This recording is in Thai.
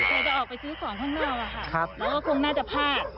จะออกไปซื้อของข้างนอกอะค่ะแล้วก็คงน่าจะพลาด